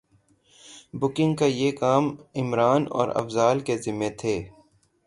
booking کا یہ کام عمران اور افضال کے ذمے تھے